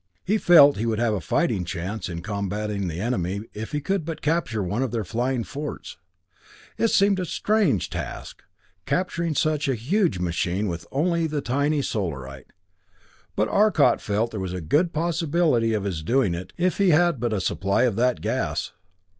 He felt he would have a fighting chance in combatting the enemy if he could but capture one of their flying forts. It seemed a strange task! Capturing so huge a machine with only the tiny Solarite but Arcot felt there was a good possibility of his doing it if he but had a supply of that gas.